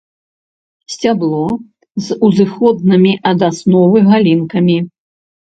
Сцябло з узыходнымі ад асновы галінкамі.